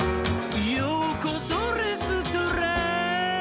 「ようこそレストラン」